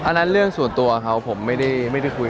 อันนั้นเรื่องส่วนตัวของเขาผมไม่ได้คุยเลยครับ